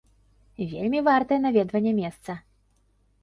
Вельмі вартае наведвання месца.